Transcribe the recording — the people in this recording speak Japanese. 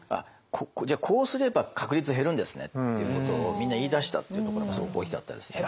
じゃあこうすれば確率減るんですねっていうことをみんな言いだしたっていうところがすごく大きかったですね。